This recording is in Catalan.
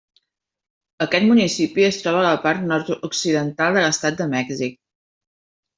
Aquest municipi es troba a la part nord-occidental de l'estat de Mèxic.